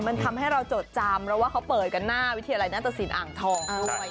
มันทำให้เราจดจำแล้วว่าเขาเปิดกันหน้าวิธีอะไรน่าจะศิลป์อ่างทอง